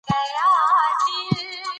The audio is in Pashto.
شکيبا : د نازنين پلاره چې مړه مې کړې